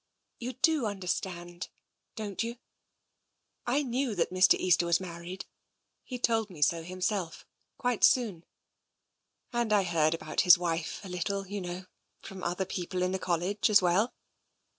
" You do undersand, don't you ? I knew that Mr. Easter was married. He told me so himself, quite soon. And I hedrd about his wife, a little, you know — from other people at the College as well.